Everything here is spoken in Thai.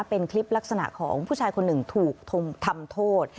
เป็นคลิปลักษณะของผู้ชายคนหนึ่งถูกทำโทษ